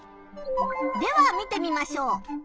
では見てみましょう。